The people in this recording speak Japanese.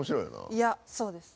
いやそうです。